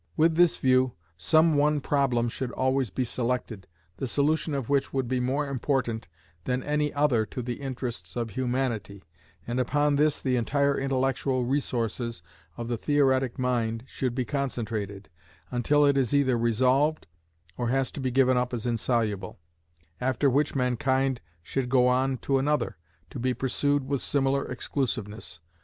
With this view, some one problem should always be selected, the solution of which would be more important than any other to the interests of humanity, and upon this the entire intellectual resources of the theoretic mind should be concentrated, until it is either resolved, or has to be given up as insoluble: after which mankind should go on to another, to be pursued with similar exclusiveness.